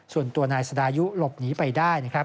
ส่วนตัวนายสดายุลบหนีไปได้